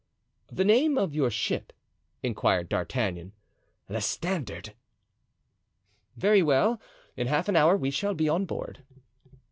"The name of your ship?" inquired D'Artagnan. "The Standard." "Very well; in half an hour we shall be on board."